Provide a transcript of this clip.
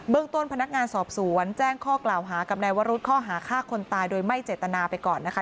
ต้นพนักงานสอบสวนแจ้งข้อกล่าวหากับนายวรุษข้อหาฆ่าคนตายโดยไม่เจตนาไปก่อนนะคะ